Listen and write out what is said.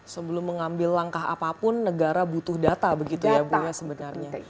sebelum mengambil langkah apapun negara butuh data begitu ya bu ya sebenarnya